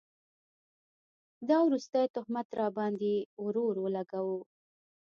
دا وروستی تهمت راباند ې ورور اولګوو